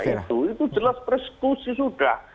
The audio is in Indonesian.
itu jelas persekusi sudah